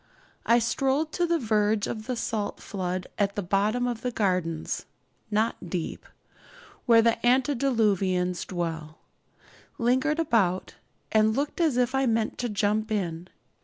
I strolled to the verge of the salt flood at the bottom of the gardens (not deep), where the antediluvians dwell, lingered about, and looked as if I meant to jump in.